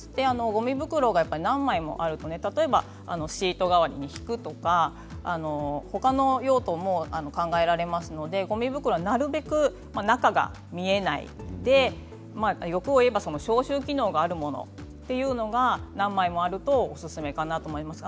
ごみ袋が何枚もあると例えばシート代わりに敷くとかほかの用途も考えられますのでゴミ袋はなるべく中が見えないで欲を言えば消臭機能があるものというのが何枚もあるとおすすめかなと思います。